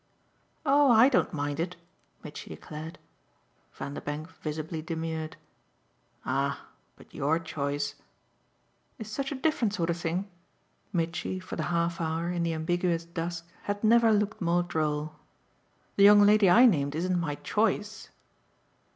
"Oh I don't mind it!" Mitchy declared. Vanderbank visibly demurred. "Ah but your choice !" "Is such a different sort of thing?" Mitchy, for the half hour, in the ambiguous dusk, had never looked more droll. "The young lady I named isn't my CHOICE."